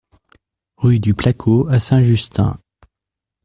Rue du Placot à Saint-Justin